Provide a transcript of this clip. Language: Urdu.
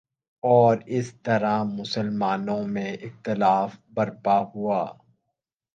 اور اس طرح مسلمانوں میں اختلاف برپا ہوا